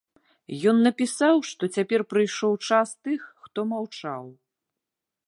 Ён напісаў, што цяпер прыйшоў час тых, хто маўчаў.